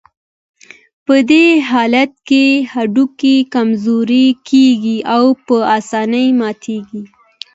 په دې حالت کې هډوکي کمزوري کېږي او په آسانۍ ماتېږي.